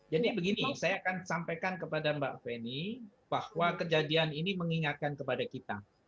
jadi begini saya akan sampaikan kepada mbak fani bahwa kejadian ini mengingatkan kepada kita